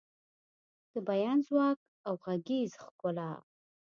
د بیان ځواک او غږیز ښکلا